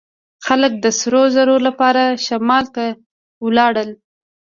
خلک د سرو زرو لپاره شمال ته لاړل.